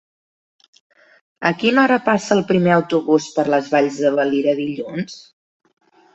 A quina hora passa el primer autobús per les Valls de Valira dilluns?